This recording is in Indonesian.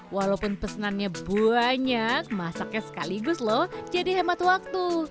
walaupun pesanannya banyak masaknya sekaligus loh jadi hemat waktu